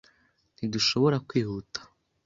Ntidushobora kwihuta?